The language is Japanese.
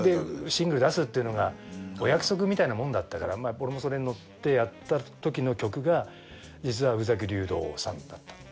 でシングル出すっていうのがお約束みたいなもんだったから俺もそれにのってやったときの曲が実は宇崎竜童さんだった。